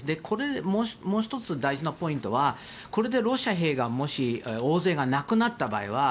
これ、もう１つ大事なポイントはこれでロシア兵が大勢亡くなった場合